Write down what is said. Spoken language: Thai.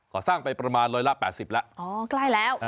ก่อสร้างไปประมาณร้อยละ๘๐ละ